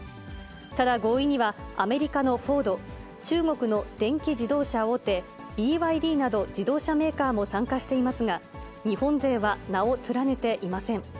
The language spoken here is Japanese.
ただ、合意にはアメリカのフォード、中国の電気自動車大手、ＢＹＤなど自動車メーカーも参加していますが、日本勢は名を連ねていません。